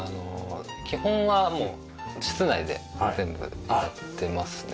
基本は室内で全部やってますね。